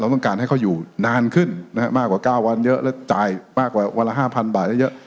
ต้องการให้เขาอยู่นานขึ้นนะฮะมากกว่า๙วันเยอะและจ่ายมากกว่าวันละ๕๐๐บาทเยอะ